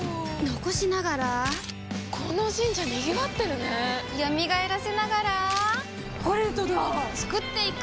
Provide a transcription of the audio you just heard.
残しながらこの神社賑わってるね蘇らせながらコレドだ創っていく！